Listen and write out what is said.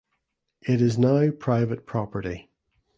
It is now private property.